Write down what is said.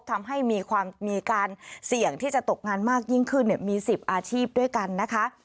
ทำให้มีการเสี่ยงที่จะตกงานมากยิ่งขึ้นมี๑๐อาชีพด้วยกันนะคะ